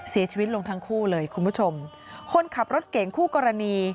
เสียชีวิตลงทั้งคู่เลยคุณผู้ชมคนขับรถเก่งคู่กรณี